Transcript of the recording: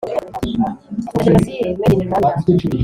na genocide made in rwanda.